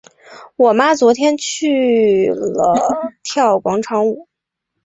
我妈昨天去了跳广场舞。